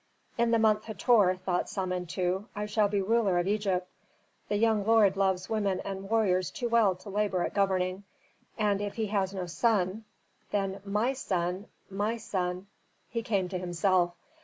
"In the month Hator," thought Samentu, "I shall be ruler of Egypt! The young lord loves women and warriors too well to labor at governing. And if he has no son, then my son, my son " He came to himself.